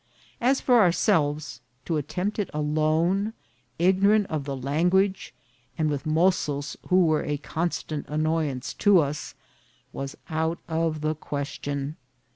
As for ourselves, to attempt it alone, ignorant of the language, and with mozos who were a constant annoyance to us, was out of the question.